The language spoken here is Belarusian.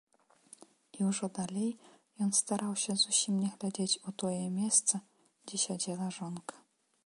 І ўжо далей ён стараўся зусім не глядзець у тое месца, дзе сядзела жонка.